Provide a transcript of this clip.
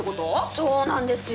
そうなんですよ。